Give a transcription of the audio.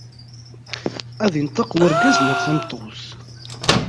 Ad inṭeq wergaz, neɣ tameṭṭut.